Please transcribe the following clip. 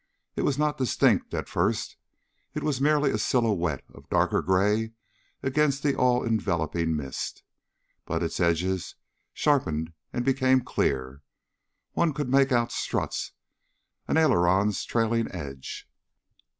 It was not distinct, at first. It was merely a silhouette of darker gray against the all enveloping mist. But its edges sharpened and became clear. One could make out struts, an aileron's trailing edge.